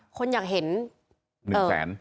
คนอยากเห็น๑แสน